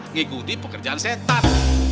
mengikuti pekerjaan setan